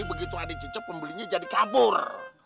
begitu ada cucup pembelinya jadi kabur